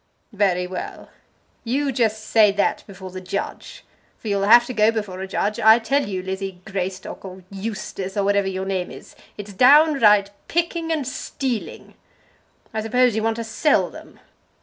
"Very well! You just say that before the judge! for you'll have to go before a judge. I tell you, Lizzie Greystock, or Eustace, or whatever your name is, it's downright picking and stealing. I suppose you want to sell them."